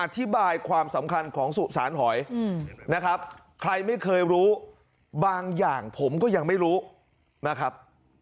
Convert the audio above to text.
อธิบายความสำคัญของสุสานหอยนะครับใครไม่เคยรู้บางอย่างผมก็ยังไม่รู้นะครับ